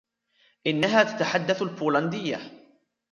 إنها تتحدث البولندية.